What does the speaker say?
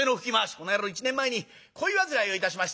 「この野郎一年前に恋煩いをいたしまして」。